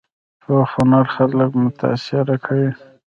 پوخ هنر خلک متاثره کوي